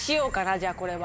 じゃあこれは。